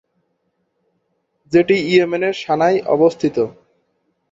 যেটি ইয়েমেনের সানায় অবস্থিত।